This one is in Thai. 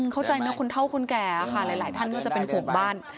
เข้าใจนะคนเท่าคนแก่ค่ะหลายท่านก็จะเป็นห่วงบ้าน